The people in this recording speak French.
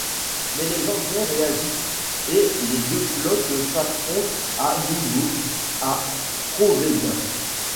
Mais les anglais réagissent, et les deux flottes s’affrontent à nouveau à Provédien.